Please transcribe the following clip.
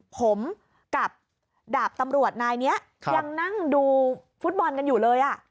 ผมกับดาบตำรวจนายนี้ยังนั่งดูฟุตบอลกันอยู่เลย